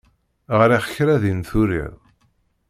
Ɣriɣ kra din turiḍ.